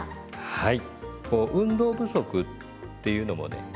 はい。